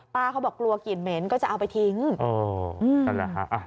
ป้าเขาบอกกลัวกลิ่นเหม็นก็จะเอาไปทิ้งอ๋ออืมเอาละฮะอ่ะ